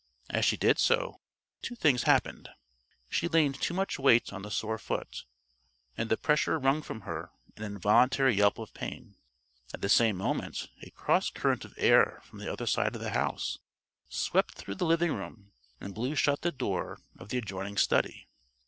As she did so, two things happened: she leaned too much weight on the sore foot, and the pressure wrung from her an involuntary yelp of pain; at the same moment a crosscurrent of air from the other side of the house swept through the living room and blew shut the door of the adjoining study.